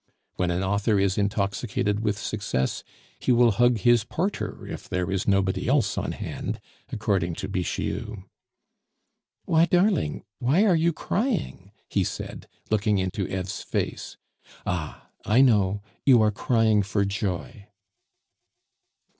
"When an author is intoxicated with success, he will hug his porter if there is nobody else on hand," according to Bixiou. "Why, darling, why are you crying?" he said, looking into Eve's face. "Ah! I know, you are crying for joy!"